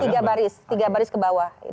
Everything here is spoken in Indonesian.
tiga baris tiga baris ke bawah